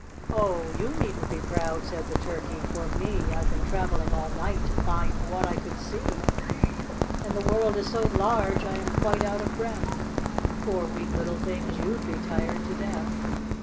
" Oh, you needn't he proud," said the Turkey; " for me, I've been travelling all night to find what I could see; And the world is so large, I am quite out of breath ; Poor, weak little things, you'd he tired to death."